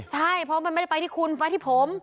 ใช่เพราะมันไม่ได้ไปที่คุณไปที่ผม